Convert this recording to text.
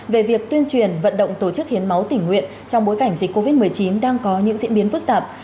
về việc tuyên truyền vận động tổ chức hiến máu tỉnh nguyện trong bối cảnh dịch covid một mươi chín đang có những diễn biến phức tạp